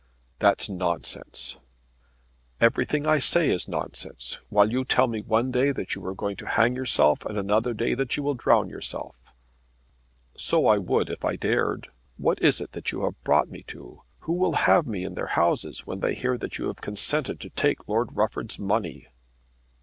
"That's nonsense." "Everything I say is nonsense, while you tell me one day that you are going to hang yourself, and another day that you will drown yourself." "So I would if I dared. What is it that you have brought me to? Who will have me in their houses when they hear that you consented to take Lord Rufford's money?"